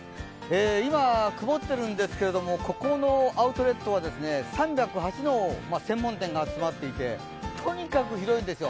今、曇ってるんですけど、ここのアウトレットは３０８の専門店が集まっていて、とにかく広いんですよ。